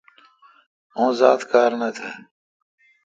اوزات کار نہ تھ۔